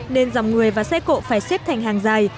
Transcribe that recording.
nên dòng người và xe cộ phải xếp thành hàng dài